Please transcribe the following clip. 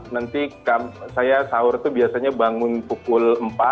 nanti saya sahur itu biasanya bangun pukul empat